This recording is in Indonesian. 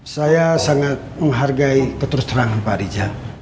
saya sangat menghargai ketursterangan pak rijal